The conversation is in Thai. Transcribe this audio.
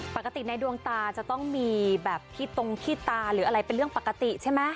ปกติในดวงตาจะต้องมีแบบขี้ตรงขี้ตาหรืออะไรเป็นเรื่องปกติใช่ไหม